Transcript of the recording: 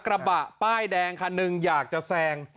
กระบะป้ายแดงค่ะ๑อยากจะแซง